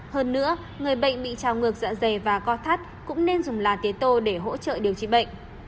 hơn nữa người bệnh bị trào ngược dạ dày và co thắt cũng nên dùng là tiến tô để hỗ trợ điều trị bệnh